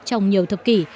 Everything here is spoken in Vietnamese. trong nhiều thập kỷ